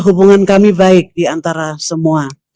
hubungan kami baik diantara semua